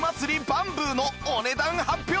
バンブーのお値段発表！